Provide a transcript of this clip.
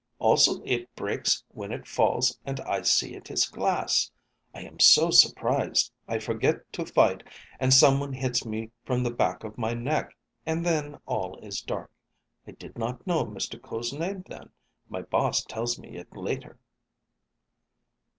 Also, it breaks when it falls and I see it is glass. I am so surprised I forget to fight and someone hits me from the back of my neck, and then all is dark. I did not know Mr. Ko's name then. My boss tells me it later."